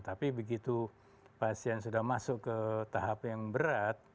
tapi begitu pasien sudah masuk ke tahap yang berat